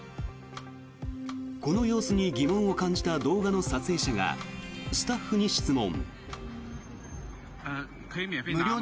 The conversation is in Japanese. この様子に疑問を感じた動画の撮影者がスタッフに質問。